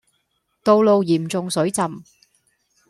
道路嚴重水浸